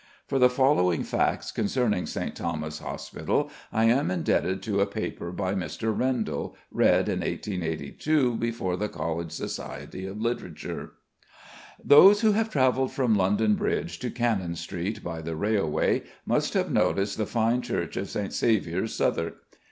For the following facts concerning St. Thomas's Hospital I am indebted to a paper by Mr. Rendle, read in 1882 before the Royal Society of Literature: Those who have travelled from London Bridge to Cannon Street by the railway, must have noticed the fine Church of St. Saviour's, Southwark.